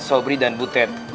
sobri dan butet